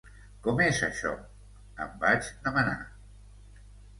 “Com és, això?”, em vaig demanar.